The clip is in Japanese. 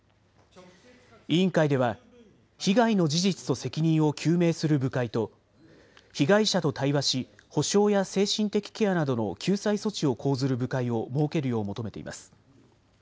委員会では被害の事実と責任を究明する部会と被害者と対話し補償や精神的ケアなどの救済措置を講ずる部会を設けるよう求めています。